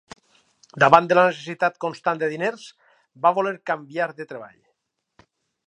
Davant de la necessitat constant de diners, va voler canviar de treball.